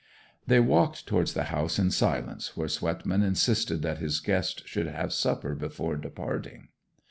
They walked towards the house in silence, where Swetman insisted that his guest should have supper before departing.